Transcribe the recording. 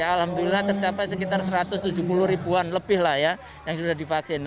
alhamdulillah tercapai sekitar satu ratus tujuh puluh ribuan lebih lah ya yang sudah divaksin